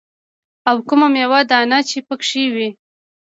او کومه ميوه دانه چې پکښې وي.